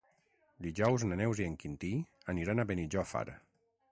Dijous na Neus i en Quintí aniran a Benijòfar.